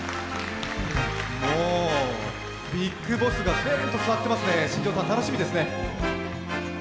ビッグボスがどーんと座ってますね、新庄さん、楽しみですね。